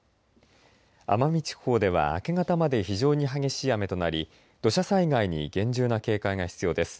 奄美地方では明け方まで非常に激しい雨となり土砂災害に厳重な警戒が必要です。